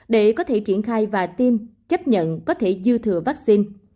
để có thể triển khai và tiêm chấp nhận có thể dư thừa vaccine